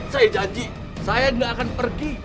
saya janji saya gak akan pergi